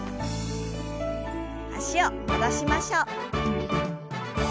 脚を戻しましょう。